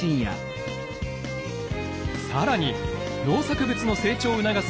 更に農作物の成長を促す